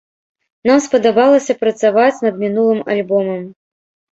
Нам спадабалася працаваць над мінулым альбомам.